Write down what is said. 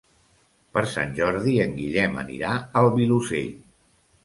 Per Sant Jordi en Guillem anirà al Vilosell.